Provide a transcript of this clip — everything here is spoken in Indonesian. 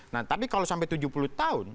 nah tapi kalau sampai tujuh puluh tahun